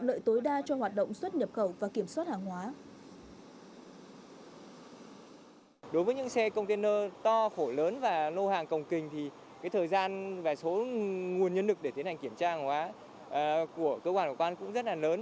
đối với những xe container to khổ lớn và lô hàng cồng kình thì thời gian và số nguồn nhân lực để tiến hành kiểm tra hàng hóa của cơ quan công an cũng rất là lớn